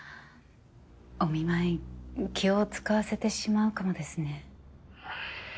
お見舞い気を使わせてしまうかもですね。